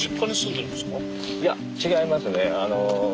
いや違いますね。